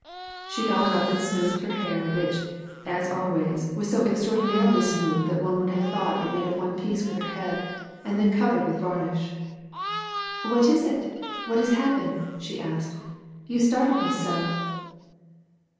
" She got up and smoothed her hair which, as always, was 80 extraordinarily smooth that one would have thought it 84 WAR AND PEACE. made of one piece with her head and then covered with varnish. " What is it ? What has happened ?" she asked. " You startled me so